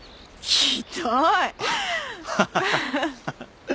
ひどい。